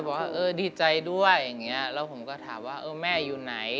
แม่บอกว่าดีใจด้วยแล้วผมก็ถามว่าแม่อยู่ไหน